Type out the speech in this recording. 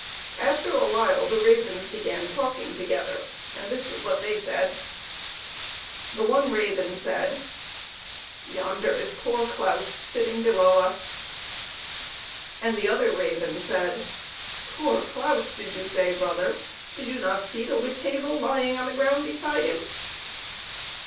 After a while the ravens began talking together, and this was what they said : The one raven said, " Yonder is poor Claus sitting below us." And the other raven said, " Poor Claus, did you say, brother? Do you not see the witch hazel lying on the ground beside him